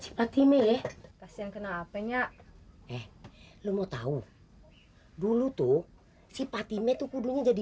si fatime ya kasih yang kenal apenya eh lu mau tahu dulu tuh si fatime tuh kudunya jadi